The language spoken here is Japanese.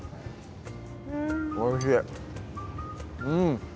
おいしい。